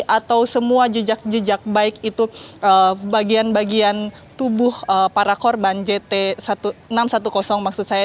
atau semua jejak jejak baik itu bagian bagian tubuh para korban jt enam ratus sepuluh maksud saya